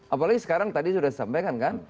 apalagi sekarang tadi sudah saya sampaikan kan